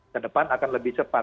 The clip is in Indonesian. ke depan akan lebih cepat